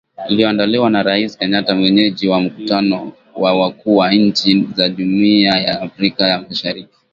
iliyoandaliwa na Rais Kenyatta mwenyeji wa mkutano wa wakuu wa nchi za jumuia ya Afrika ya mashariki